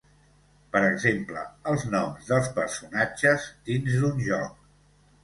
Per exemple, els noms dels personatges dins d'un joc.